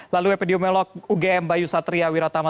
lalu wp diomelok ugm bayu satria wiratama